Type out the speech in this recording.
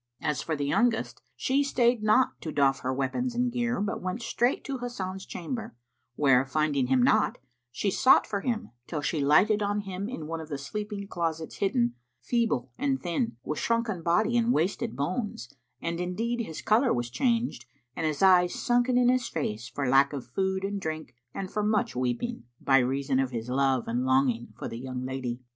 As for the youngest, she stayed not to doff her weapons and gear, but went straight to Hasan's chamber, where finding him not, she sought for him, till she lighted on him in one of the sleeping closets hidden, feeble and thin, with shrunken body and wasted bones and indeed his colour was changed and his eyes sunken in his face for lack of food and drink and for much weeping, by reason of his love and longing for the young lady.